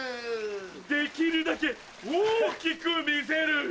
できるだけ大きく見せる。